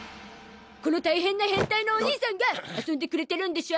このタイヘンなヘンタイのお兄さんが遊んでくれてるんでしょ？